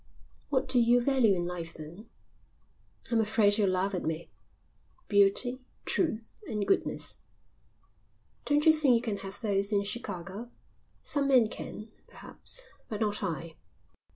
"What do you value in life then?" "I'm afraid you'll laugh at me. Beauty, truth, and goodness." "Don't you think you can have those in Chicago?" "Some men can, perhaps, but not I."